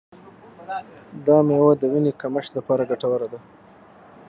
دا میوه د وینې کمښت لپاره ګټوره ده.